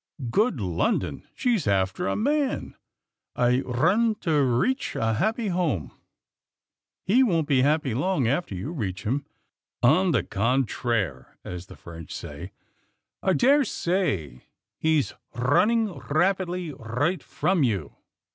Good London! she's after a man! I rrun to rreach a happpy Homme. — He won't be happy long after you reach him. On the contraire, as the French say, L daresay he's rrunning rrapidly rright frrom you."